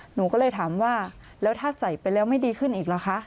หนูก็เลยถามว่าแล้วถ้าใส่ไปแล้วไม่ดีขึ้นอีกเหรอคะ